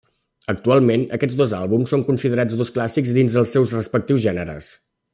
Actualment aquests dos àlbums són considerats dos clàssics dins dels seus respectius gèneres.